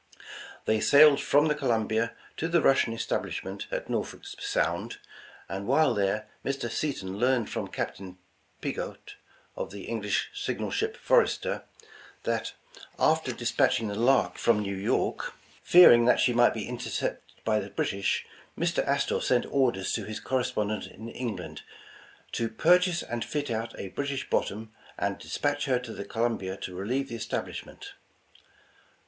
''They sailed from the Columbia to the Russian establishment at Norfolk Sound, and while there Mr. Seton learned from Captain Pigot, of the English signal ship — 'Forester', that after despatch ing the Lark from New York, fearing that she might be intercepted by the British, Mr. Astor sent orders to his correspondent in England, "to purchase and fit 225 The Original John Jacob Astor out a British bottom, and despatch her to the Columbia to relieve the establishment."